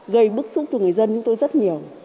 gây bức xúc cho người dân chúng tôi rất nhiều